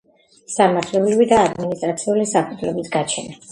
სამართლებრივი და ადმინისტრაციული საფუძვლების გაჩენა